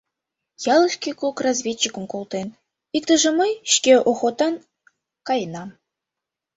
Ялышке кок разведчикым колтен, иктыже мый, шке охотан каенам.